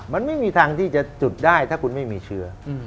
มันไม่มีทางที่จะจุดได้ถ้าคุณไม่มีเชื้อ